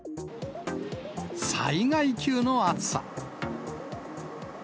災害級の暑さ。